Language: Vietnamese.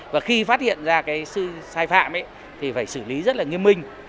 và khi phát hiện ra cái sai phạm thì phải xử lý rất là nghiêm minh